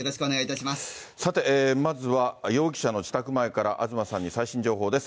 さて、まずは容疑者の自宅前から東さんの最新情報です。